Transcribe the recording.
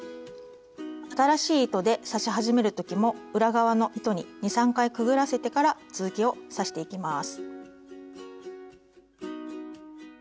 新しい糸で刺し始める時も裏側の糸に２３回くぐらせてから続きを刺していきます。